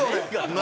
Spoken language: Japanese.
何？